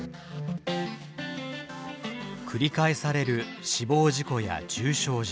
繰り返される死亡事故や重傷事故。